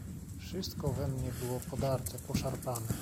"Wszystko we mnie było podarte, poszarpane."